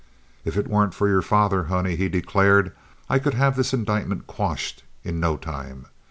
"If it weren't for your father, honey," he declared, "I could have this indictment quashed in no time.